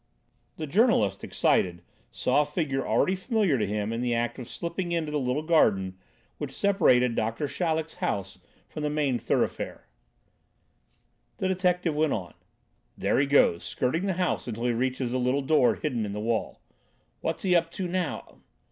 The journalist, excited, saw a figure already familiar to him in the act of slipping into the little garden which separated Dr. Chaleck's house from the main thoroughfare. The detective went on: "There he goes, skirting the house until he reaches the little door hidden in the wall. What's he up to now?